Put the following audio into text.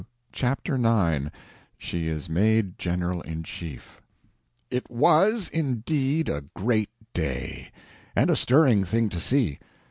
Chapter 9 She Is Made General in Chief IT WAS indeed a great day, and a stirring thing to see.